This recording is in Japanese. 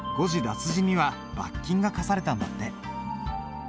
脱字には罰金が科されたんだって。